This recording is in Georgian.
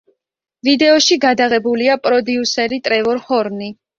ვიდეოში გადაღებულია პროდიუსერი ტრევორ ჰორნი.